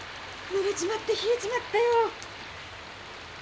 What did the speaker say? ぬれちまって冷えちまったよ。